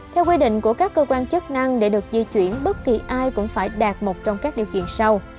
theo quy định của các cơ quan chức năng để được di chuyển bất kỳ ai cũng phải đạt một trong các điều kiện sau